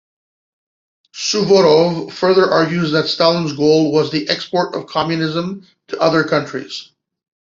Suvorov further argues that Stalin's goal was the export of communism to other countries.